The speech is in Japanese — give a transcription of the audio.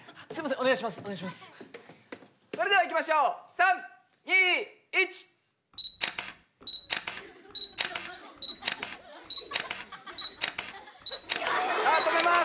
お願いします。